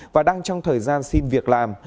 và đang trong thời gian xin việc làm